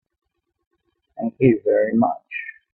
Thank you very much.